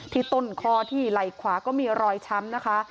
ต้นคอที่ไหล่ขวาก็มีรอยช้ำนะคะ